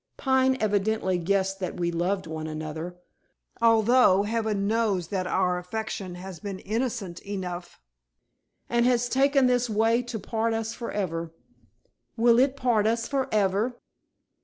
Pine evidently guessed that we loved one another, although heaven knows that our affection has been innocent enough, and has taken this way to part us forever." "Will it part us forever?"